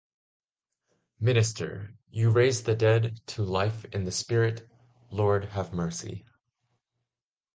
Minister: You raise the dead to life in the Spirit: Lord, have mercy.